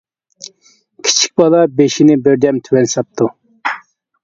كىچىك بالا بېشىنى بىردەم تۆۋەن ساپتۇ.